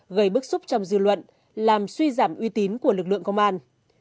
gây bức xúc trong dư luận làm suy giảm uy tín của lực lượng công an